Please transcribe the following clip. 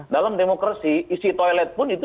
dalam demokrasi isi toilet pun itu